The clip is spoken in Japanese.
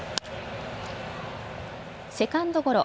セカンドゴロ。